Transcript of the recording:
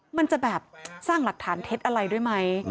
มันจะแบบสร้างหลักฐานเท็จอะไรด้วยไหม